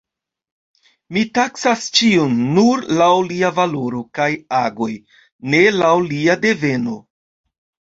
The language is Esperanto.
Mi taksas ĉiun nur laŭ lia valoro kaj agoj, ne laŭ lia deveno.